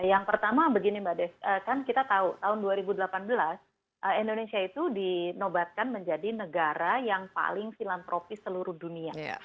yang pertama begini mbak des kan kita tahu tahun dua ribu delapan belas indonesia itu dinobatkan menjadi negara yang paling filantropis seluruh dunia